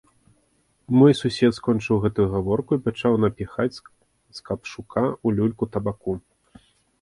Мой сусед скончыў гэтую гаворку і пачаў напіхаць з капшука ў люльку табаку.